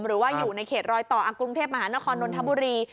หรือว่าอยู่ในเขตรอยต่อกรุงเทพมหานครนนทบุรี